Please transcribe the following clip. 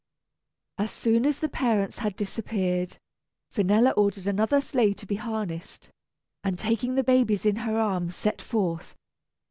As soon as the parents had disappeared, Finella ordered another sleigh to be harnessed, and taking the babies in her arms set forth.